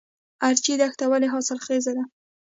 ارچي دښته ولې حاصلخیزه ده؟